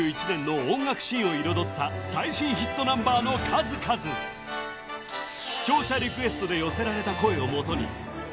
２０２１年の音楽シーンを彩った最新ヒットナンバーの数々視聴者リクエストで寄せられた声をもとにＵＴＡＧＥ！